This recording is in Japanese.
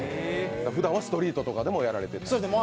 ふだんはストリートとかでもやられて？